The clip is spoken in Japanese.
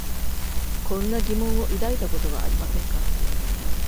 こんな疑問を抱いたことはありませんか？